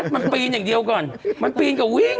มันปีนอย่างเดียวก่อนมันปีนกับวิ่ง